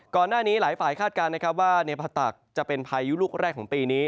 ก่อนหน้านี้หลายฝ่ายคาดการณ์นะครับว่าเนภาตักจะเป็นพายุลูกแรกของปีนี้